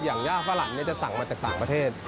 อย่างย่าฝรั่งจะสั่งมาจากต่างประเทศ